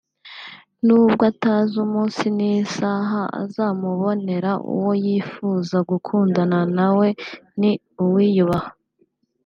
nubwo atazi umunsi n’isaha azamubonera uwo yifuza gukundana na we ni uwiyubaha